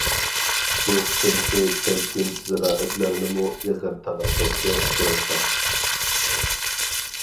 بۇ قېتىمقى كەلكۈن زىرائەتلەرنىمۇ ئېغىر تالاپەتكە ئۇچراتقان.